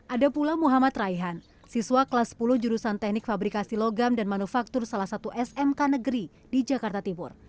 ada pula muhammad raihan siswa kelas sepuluh jurusan teknik fabrikasi logam dan manufaktur salah satu smk negeri di jakarta timur